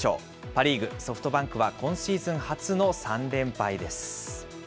パ・リーグ・ソフトバンクは、今シーズン初の３連敗です。